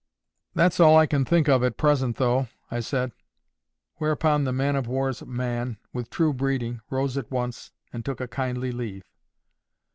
"That's all I can think of at present, though," I said; whereupon the man of war's man, with true breeding, rose at once, and took a kindly leave.